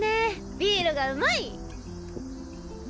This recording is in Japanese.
ビールがうまい！